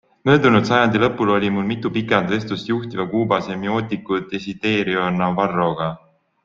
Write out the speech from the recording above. Möödunud sajandi lõpul oli mul mitu pikemat vestlust juhtiva Kuuba semiootiku Desiderio Navarroga.